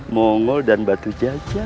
mongol dan batu jajar